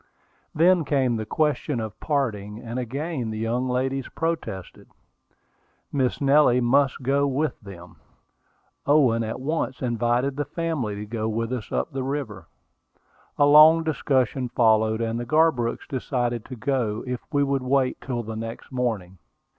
Then came the question of parting, and again the young ladies protested. Miss Nellie must go with them. Owen at once invited the family to go with us up the river. A long discussion followed; and the Garbrooks decided to go if we would wait till the next morning.